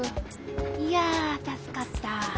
いやたすかった。